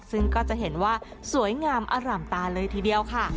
ซึ่งก็จะเห็นว่าสวยงามอร่ำตาเลยทีเดียวค่ะ